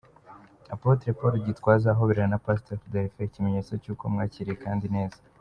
Apotre Paul Gitwaza ahoberana na Pastor Delphin, ikimenyetso cy'uko amwakiriye kandi neza.